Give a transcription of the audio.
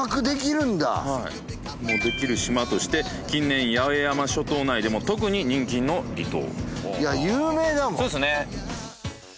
はいもできる島として近年八重山諸島内でも特に人気の離島有名だもんそうですね